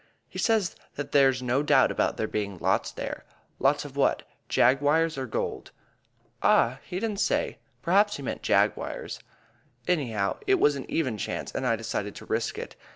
"He says that there's no doubt about there being lots there." "Lots of what? Jaguars or gold?" "Ah, he didn't say. Perhaps he meant Jaguars." Anyhow, it was an even chance, and I decided to risk it.